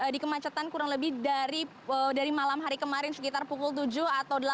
di kemacetan kurang lebih dari malam hari kemarin sekitar pukul tujuh atau delapan